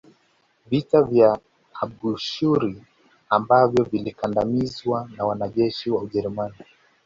Vita vya Abushuri ambavyo vilikandamizwa na wanajeshi wa Ujerumani